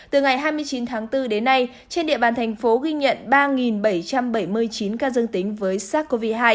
từ ngày hai mươi chín tháng bốn đến nay trên địa bàn thành phố ghi nhận ba bảy trăm bảy mươi chín ca dương tính với sars cov hai